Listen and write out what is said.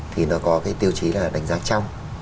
thì nó có cái tiêu chí là đánh giá trong